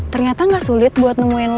ternyata gak sulit buat nemuin